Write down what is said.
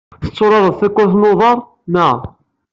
Tetturareḍ takurt n uḍar, naɣ?